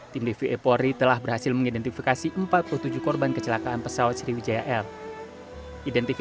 tim dva polri telah berhasil mengidentifikasi empat puluh tujuh korban kecelakaan pesawat sriwijaya air